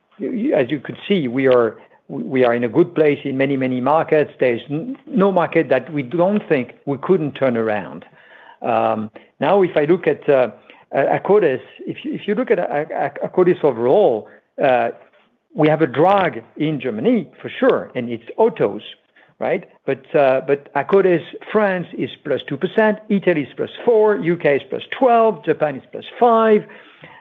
as you could see, we are in a good place in many, many markets. There's no market that we don't think we couldn't turn around. Now, if I look at Akkodis, if you look at Akkodis' overall, we have a drag in Germany for sure, it's autos, right? Akkodis France is +2%, Italy is +4%, U.K. is +12%, Japan is +5%,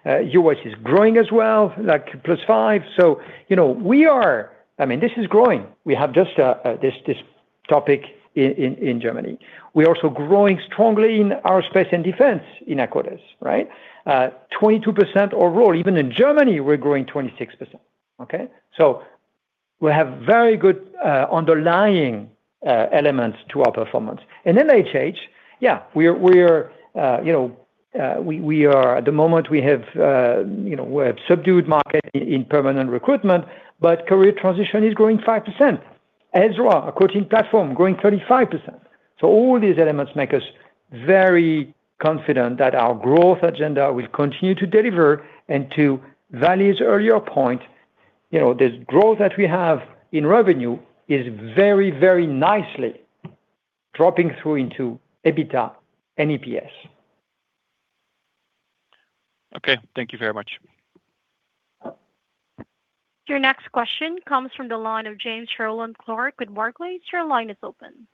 U.S. is growing as well, like +5%. You know, I mean, this is growing. We have just this topic in Germany. We're also growing strongly in aerospace and defense in Akkodis, right? +22% overall. Even in Germany, we're growing +26%. Okay. We have very good underlying elements to our performance. In LHH, yeah, we're, you know, we have at the moment, you know, we have subdued market in permanent recruitment, but career transition is growing 5%. Ezra, our coaching platform, growing 35%. All these elements make us very confident that our growth agenda will continue to deliver. To Valley's earlier point, you know, this growth that we have in revenue is very, very nicely dropping through into EBITDA and EPS. Okay. Thank you very much. Your next question comes from the line of James Rowland Clark with Barclays. Your line is open.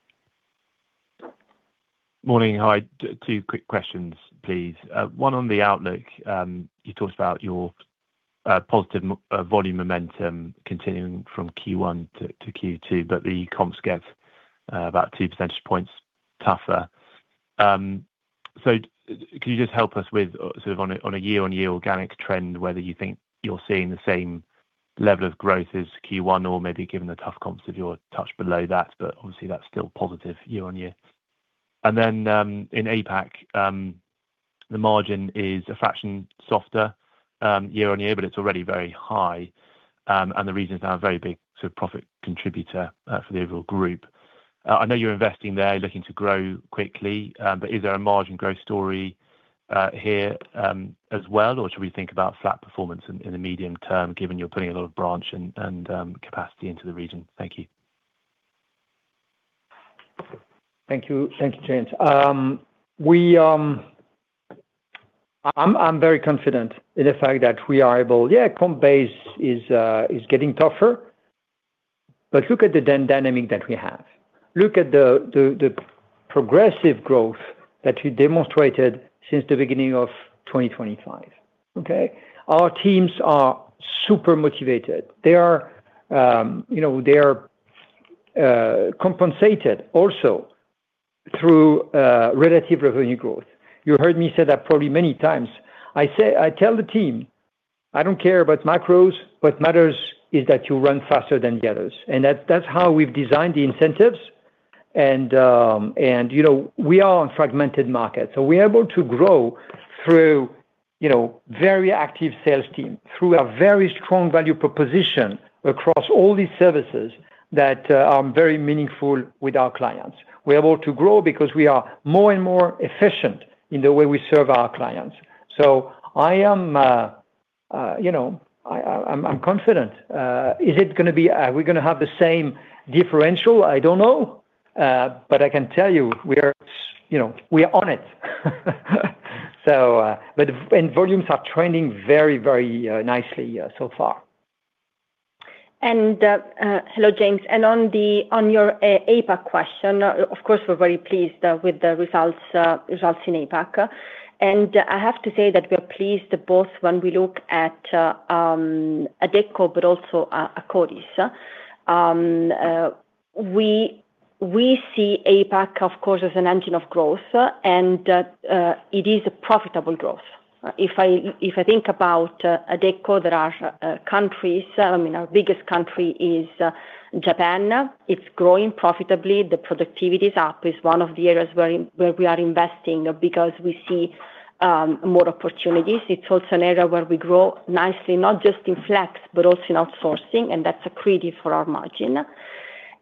Morning. Hi. Two quick questions, please. One on the outlook. You talked about your positive volume momentum continuing from Q1 to Q2, but the comps get about two percentage points tougher. Can you just help us with, sort of, on a year-on-year organic trend, whether you think you're seeing the same level of growth as Q1 or maybe given the tough comps if you're a touch below that, but obviously that's still positive year-on-year. In APAC, the margin is a fraction softer year-on-year, but it's already very high. The reason is they are a very big sort of profit contributor for the overall group. I know you're investing there, looking to grow quickly, but is there a margin growth story here as well, or should we think about flat performance in the medium term, given you're putting a lot of branch and capacity into the region? Thank you. Thank you. Thank you, James. I'm very confident. Yeah, comp base is getting tougher. Look at the dynamic that we have. Look at the progressive growth that we demonstrated since the beginning of 2025. Okay? Our teams are super motivated. They are, you know, they are compensated also through relative revenue growth. You heard me say that probably many times. I tell the team, "I don't care about macros, what matters is that you run faster than the others." That's how we've designed the incentives. You know, we are in fragmented markets, we're able to grow through, you know, very active sales team, through a very strong value proposition across all these services that are very meaningful with our clients. We're able to grow because we are more and more efficient in the way we serve our clients. I am, you know, I'm confident. Are we gonna have the same differential? I don't know. I can tell you we are, you know, we are on it. Volumes are trending very, very nicely so far. Hello, James. On your APAC question, of course, we're very pleased with the results in APAC. I have to say that we are pleased both when we look at Adecco but also Akkodis. We see APAC, of course, as an engine of growth, and it is a profitable growth. If I think about Adecco, there are countries. I mean, our biggest country is Japan. It's growing profitably. The productivity is up. It's one of the areas where we are investing because we see more opportunities. It's also an area where we grow nicely, not just in flex, but also in outsourcing, and that's accretive for our margin.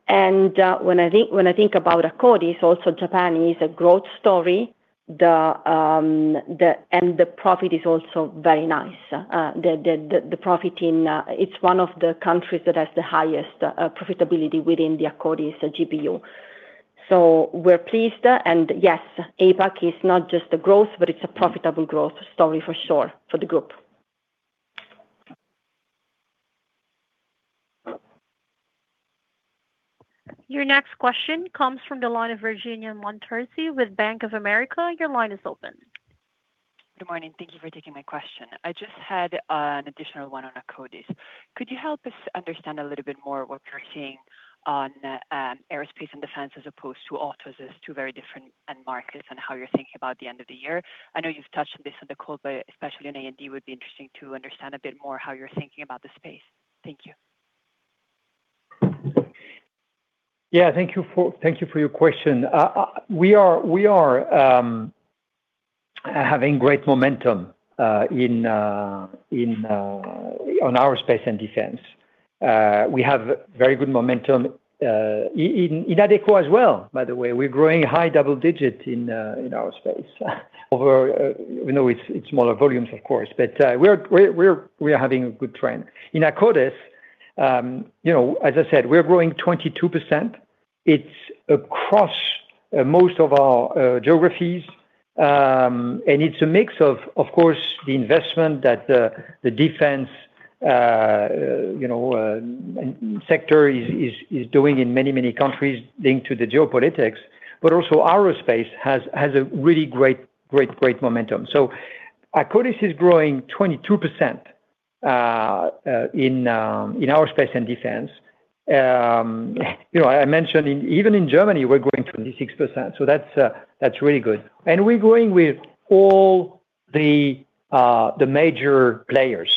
When I think about Akkodis, also Japan is a growth story. The profit is also very nice. It's one of the countries that has the highest profitability within the Akkodis GBU. We're pleased. Yes, APAC is not just the growth, but it's a profitable growth story for sure for the group. Your next question comes from the line of Virginia Montorsi with Bank of America. Your line is open. Good morning. Thank you for taking my question. I just had an additional one on Akkodis. Could you help us understand a little bit more what you're seeing on aerospace and defense as opposed to autos as two very different end markets and how you're thinking about the end of the year? I know you've touched on this on the call, especially in A&D, it would be interesting to understand a bit more how you're thinking about the space. Thank you. Thank you for your question. We are having great momentum in aerospace and defense. We have very good momentum in Adecco as well, by the way. We're growing high double digits in aerospace. You know, it's smaller volumes, of course, but we're having a good trend. In Akkodis, you know, as I said, we're growing 22%. It's across most of our geographies. And it's a mix of course, the investment that the defense, you know, sector is doing in many, many countries linked to the geopolitics. Also aerospace has a really great momentum. Akkodis is growing 22% in aerospace and defense. You know, I mentioned even in Germany, we're growing 26%, so that's really good. We're growing with all the major players,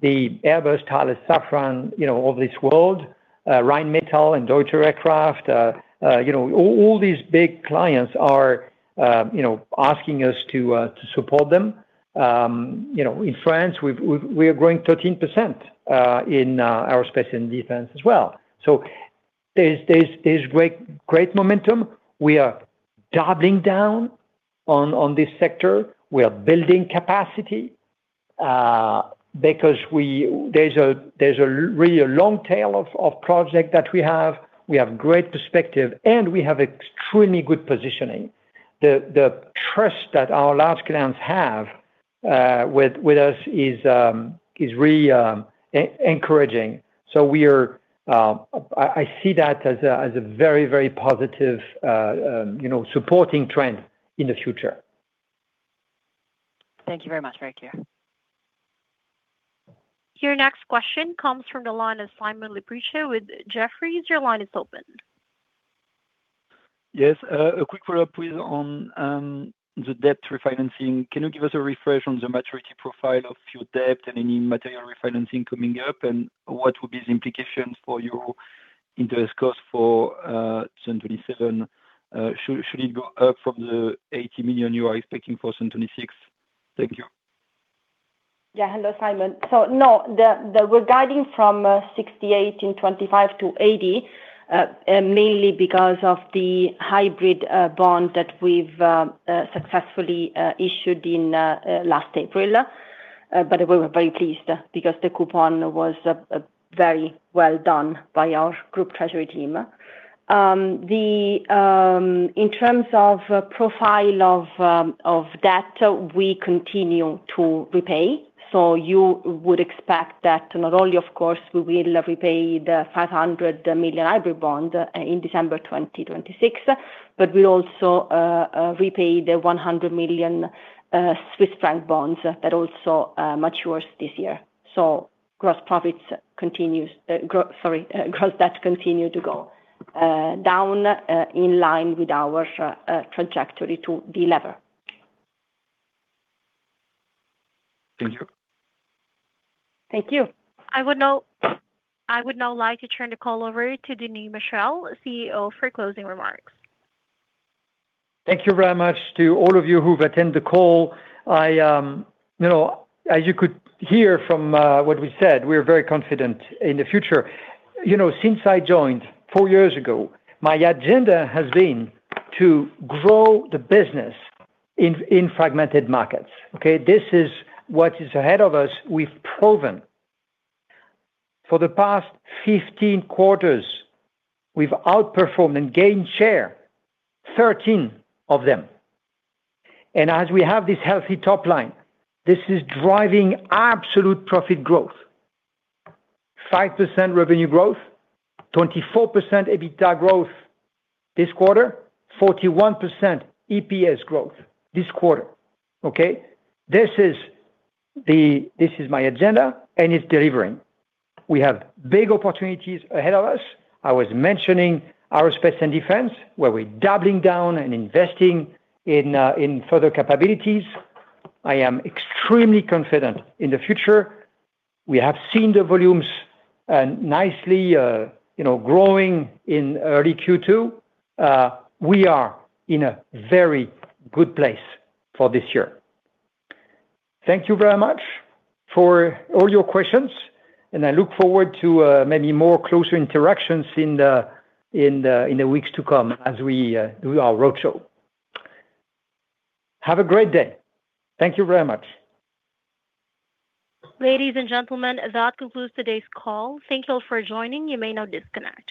the Airbus, Thales, Safran, you know, of this world, Rheinmetall and Deutsche Aircraft. You know, all these big clients are, you know, asking us to support them. You know, in France, we are growing 13% in aerospace and defense as well. There's great momentum. We are doubling down on this sector. We are building capacity because there's a really a long tail of project that we have. We have great perspective, and we have extremely good positioning. The trust that our large clients have with us is really encouraging. We are, I see that as a very, very positive, you know, supporting trend in the future. Thank you very much. Very clear. Your next question comes from the line of Simon Lechipre with Jefferies. Your line is open. Yes, a quick follow-up, please, on the debt refinancing. Can you give us a refresh on the maturity profile of your debt and any material refinancing coming up and what would be the implications for your interest cost for 2027? Should it go up from the 80 million you are expecting for 2026? Thank you. Hello, Simon. No, the regarding from 68 and 25 to 80, mainly because of the hybrid bond that we've successfully issued in April. We were very pleased because the coupon was very well done by our group treasury team. In terms of profile of debt, we continue to repay. You would expect that not only, of course, we will repay the 500 million hybrid bond in December 2026, but we'll also repay the 100 million Swiss franc bonds that also matures this year. Sorry, gross debts continue to go down in line with our trajectory to delever. Thank you. Thank you. I would now like to turn the call over to Denis Machuel, CEO, for closing remarks. Thank you very much to all of you who've attended the call. I, you know, as you could hear from what we said, we are very confident in the future. You know, since I joined years years ago, my agenda has been to grow the business in fragmented markets. Okay? This is what is ahead of us. We've proven for the past 15 quarters, we've outperformed and gained share 13 of them. As we have this healthy top line, this is driving absolute profit growth. 5% revenue growth, 24% EBITDA growth this quarter, 41% EPS growth this quarter. Okay? This is my agenda, and it's delivering. We have big opportunities ahead of us. I was mentioning aerospace and defense, where we're doubling down and investing in further capabilities. I am extremely confident in the future. We have seen the volumes, nicely, you know, growing in early Q2. We are in a very good place for this year. Thank you very much for all your questions, and I look forward to, maybe more closer interactions in the, in the, in the weeks to come as we, do our roadshow. Have a great day. Thank you very much. Ladies and gentlemen, that concludes today's call. Thank you for joining. You may now disconnect.